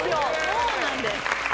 そうなんです